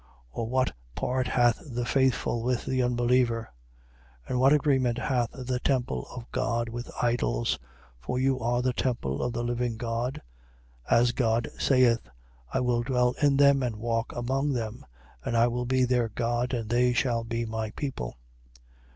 Or what part hath the faithful with the unbeliever? 6:16. And what agreement hath the temple of God with idols? For you are the temple of the living God: as God saith: I will dwell in them and walk among them. And I will be their God: and they shall be my people.